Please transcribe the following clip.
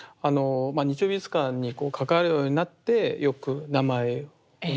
「日曜美術館」に関わるようになってよく名前をね